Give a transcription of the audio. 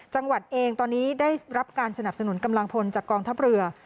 จังหวัดเองตอนนี้ได้รับการสนับสนุนกำลังพลจากกองทัพเรือ